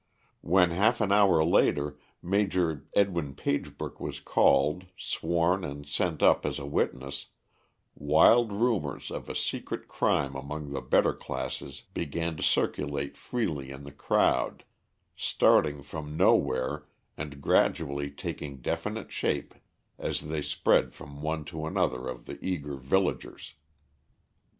When half an hour later Major Edwin Pagebrook was called, sworn and sent up as a witness, wild rumors of a secret crime among the better classes began to circulate freely in the crowd, starting from nowhere and gradually taking definite shape as they spread from one to another of the eager villagers.